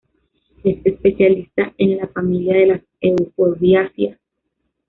Es especialista en la familia de las euforbiáceas.